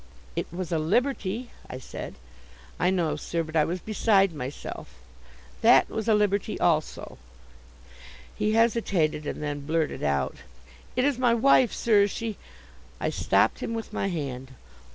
"It was a liberty," I said. "I know, sir; but I was beside myself." "That was a liberty also." He hesitated, and then blurted out: "It is my wife, sir. She " I stopped him with my hand.